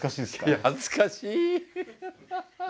いや恥ずかしい。